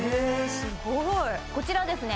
すごいこちらですね